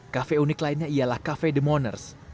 kafe unik lainnya ialah kafe the moners